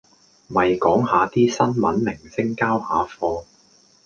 咪講下啲新聞明星野交下貨